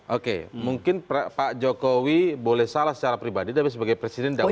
oke mungkin pak jokowi boleh salah secara pribadi tapi sebagai presiden tidak boleh